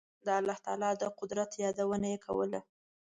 د الله تعالی د قدرت یادونه یې کوله.